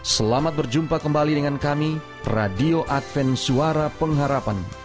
selamat berjumpa kembali dengan kami radio adven suara pengharapan